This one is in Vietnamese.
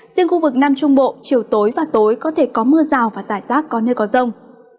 riêng khu vực nam trung bộ chiều tối và tối có thể có mưa rào và rải rác có nơi có rông